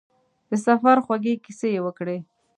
د سفر خوږې کیسې یې وکړې.